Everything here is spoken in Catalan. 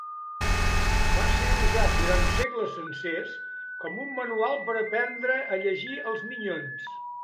Va ser usat durant segles sencers com un manual per aprendre a llegir els minyons.